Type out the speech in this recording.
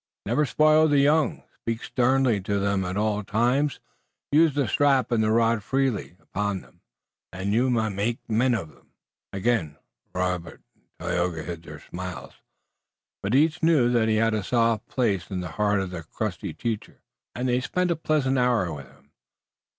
Never spoil the young. Speak sternly to them all the time. Use the strap and the rod freely upon them and you may make men of them." Again Robert and Tayoga hid their smiles, but each knew that he had a soft place in the heart of the crusty teacher, and they spent a pleasant hour with him.